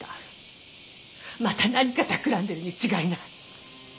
また何かたくらんでるに違いない！